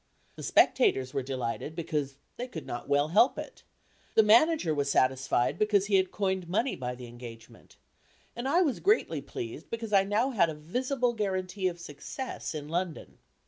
The spectators were delighted because they could not well help it; the manager was satisfied because he had coined money by the engagement; and I was greatly pleased because I now had a visible guaranty of success in London.